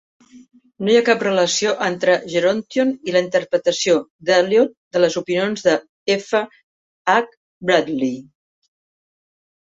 No hi ha cap relació entre "Gerontion" i la interpretació d'Eliot de les opinions d'F. H. Bradley.